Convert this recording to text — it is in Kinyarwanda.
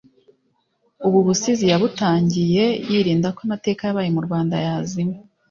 Ubu busizi yabutangiye yirinda ko amateka yabaye mu Rwanda yazima